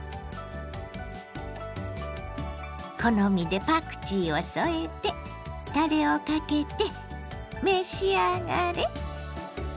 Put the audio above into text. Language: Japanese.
好みでパクチーを添えてたれをかけて召し上がれ！